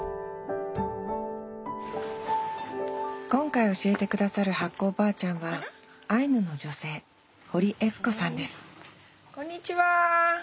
今回教えてくださる発酵おばあちゃんはアイヌの女性堀悦子さんですこんにちは！